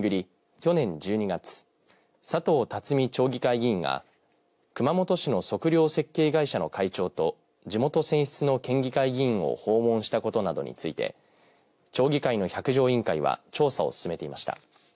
去年１２月佐藤竜巳町議会議員が熊本市の測量設計会社の会長と地元選出の県議会議員を訪問したことなどについて町議会の百条委員会は調査を進めていました。